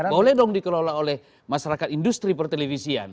boleh dong dikelola oleh masyarakat industri per televisian